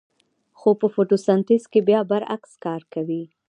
خو په فتوسنتیز کې بیا برعکس کار کوي